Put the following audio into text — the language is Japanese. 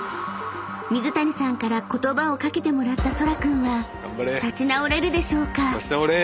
［水谷さんから言葉を掛けてもらったそら君は立ち直れるでしょうか？］